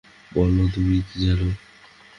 বলো তুমি কী জানো।